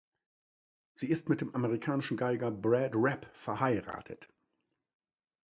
Sie ist mit dem amerikanischen Geiger Brad Repp verheiratet.